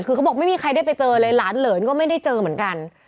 คือเขาบอกไม่มีใครได้ไปเจอเลยหลานเหลินก็ไม่ได้เจอเหมือนกัน